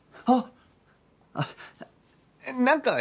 あっ。